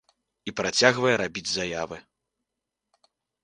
І працягвае рабіць заявы.